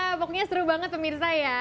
pokoknya seru banget pemirsa ya